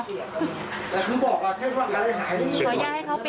แต่เค้าบอกว่าแค่ว่าแหละหายไม่มี